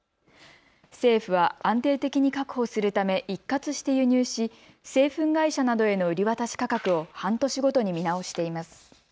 政府は安定的に確保するため一括して輸入し製粉会社などへの売り渡し価格を半年ごとに見直しています。